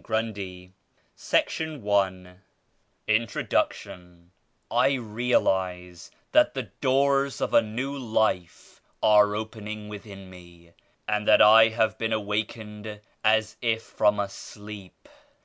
PUBLIC ; in —'^— I realize that the doors of a new Life are opening within me and that I have been awak ened as if from a sleep.